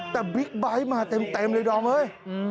แต่บิ๊กไบท์มาเต็มเลยดอมเฮ้ย